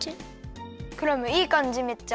クラムいいかんじめっちゃ。